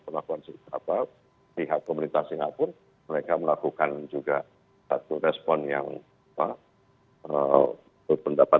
perlakuan apa pihak pemerintah singapura mereka melakukan juga satu respon yang apa